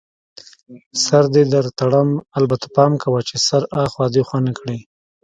سر دې در تړم، البته پام کوه چي سر اخوا دیخوا نه کړې.